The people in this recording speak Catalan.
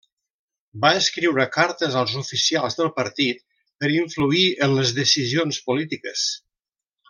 Va escriure cartes als oficials del partit per influir en les decisions polítiques.